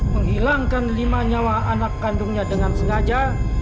menghilangkan lima nyawa anak kandungnya dengan sengaja